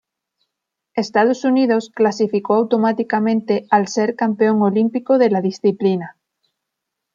Estados Unidos clasificó automáticamente al ser campeón olímpico de la disciplina.